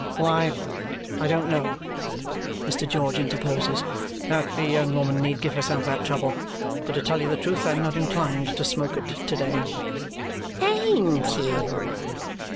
"Why, I don't know," Mr. George interposes, "that the young woman need give herself that trouble, for to tell you the truth, I am not inclined to smoke it to day." "Ain't you?"